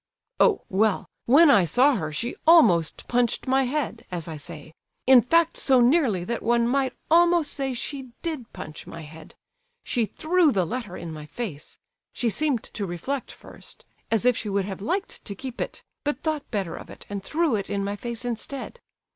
"Oh, well, when I saw her she almost punched my head, as I say; in fact so nearly that one might almost say she did punch my head. She threw the letter in my face; she seemed to reflect first, as if she would have liked to keep it, but thought better of it and threw it in my face instead.